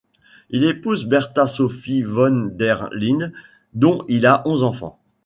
Il épouse Bertha Sophie von der Linde dont il a onze enfants.